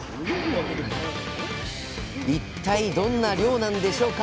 一体どんな漁なんでしょうか。